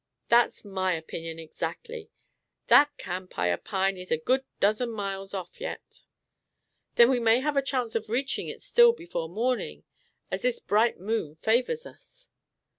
"That's my opinion, exactly. That camp, I opine, is a good dozen miles off yet." "Then we may have a chance of reaching it still before morning, as this bright moon favors us."